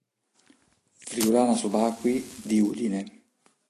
Friulana Subacquei di Udine.